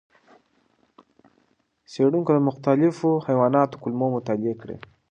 څېړونکو د مختلفو حیواناتو کولمو مطالعې کړې.